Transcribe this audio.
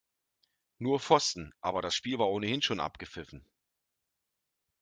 Nur Pfosten, aber das Spiel war ohnehin schon abgepfiffen.